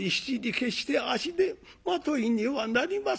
決して足手まといにはなりませんぞ」。